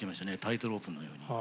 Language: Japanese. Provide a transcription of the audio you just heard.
タイトロープのように。